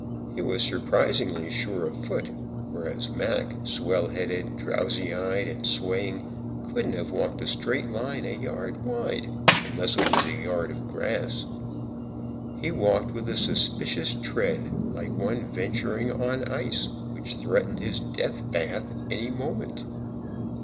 He was surprisingly sure of foot, whereas Mac, swell headed, drowsy eyed and swaying, couldn't have walked a straight line a yard wide, unless it was a yard of grass. He walked with a suspicious tread, like one venturing on ice which threatened his death bath any moment.